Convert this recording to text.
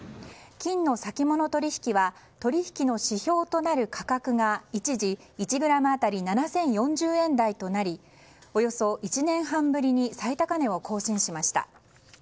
金の先物取引は取引の指標となる価格が一時１ｇあたり７０４０円台となりおよそ１年半ぶりに最高値を更新しました。